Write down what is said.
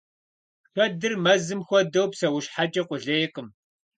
Шэдыр мэзым хуэдэу псэущхьэкӀэ къулейкъым.